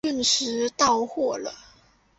顿时到货了